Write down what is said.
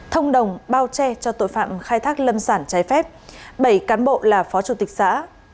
thông đồng bao che cho tội phạm khai thác lâm sản trái phép bảy cán bộ là phó chủ tịch xã